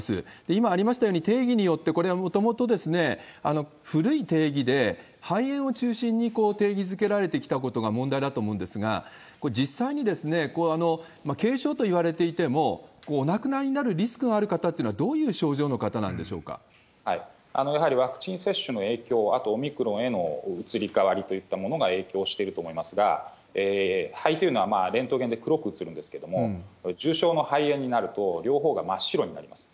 今ありましたように、定義によって、これはもともと古い定義で、肺炎を中心に定義づけられてきたことが問題だと思うんですが、これ、実際に軽症といわれていても、お亡くなりになるリスクのある方っていうのは、どういう症状の方やはりワクチン接種の影響、あとオミクロンへの移り変わりといったものが影響していると思いますが、肺っていうのはレントゲンで黒く写るんですけれども、重症の肺炎になると、両方が真っ白になります。